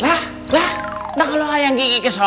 lah lah udah kalau ayang gigi kesel